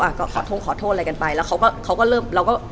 อ่ะก็ขอเถอะอะไรกันไปแล้วเขาก็เริ่ม